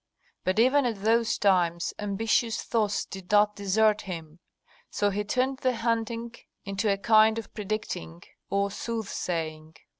But even at those times ambitious thoughts did not desert him; so he turned the hunting into a kind of predicting or soothsaying.